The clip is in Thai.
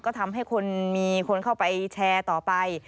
ก็ทำให้คนมีคนเข้าไปแชร์ต่อไป